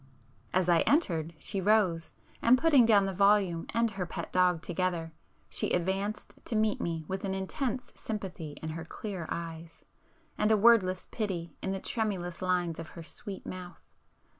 As I entered she rose, and putting down the volume and her pet dog together, she advanced to meet me with an intense sympathy in her clear eyes, and a wordless pity in the tremulous lines of her sweet mouth.